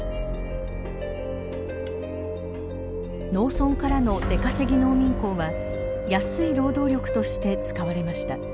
農村からの出稼ぎ農民工は安い労働力として使われました。